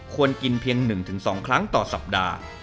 ควรกินเพียง๑๒ครั้งต่อสัปดาห์